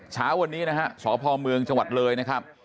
เช้าวันนี้นะฮะสพเมืองจังหวัดเลยนะครับ